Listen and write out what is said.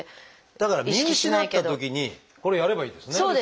だから見失ったときにこれやればいいですね。